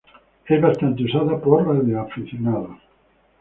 Es bastante usada por radioaficionados.